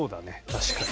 確かに。